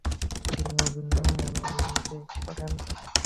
তিনি অভিনয়ে মনোনিবেশ করেন।